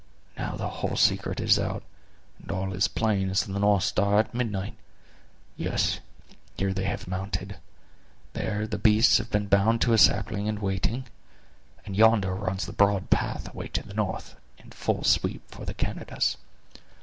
Now the whole secret is out, and all is plain as the north star at midnight. Yes, here they have mounted. There the beasts have been bound to a sapling, in waiting; and yonder runs the broad path away to the north, in full sweep for the Canadas."